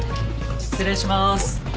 失礼します。